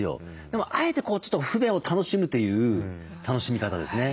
でもあえて不便を楽しむという楽しみ方ですね。